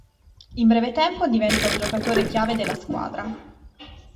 In breve tempo, diventa un giocatore chiave della squadra.